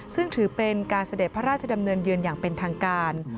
ซึ่งถือเป็นการเสด็จพระราชดำเนินเยือนอย่างเป็นทางการ